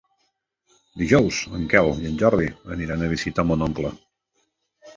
Dijous en Quel i en Jordi aniran a visitar mon oncle.